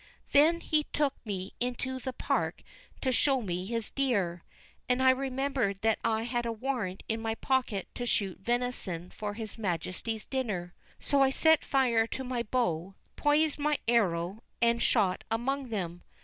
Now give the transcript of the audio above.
Then he took me into the park to show me his deer; and I remembered that I had a warrant in my pocket to shoot venison for his majesty's dinner. So I set fire to my bow, poised my arrow, and shot among them.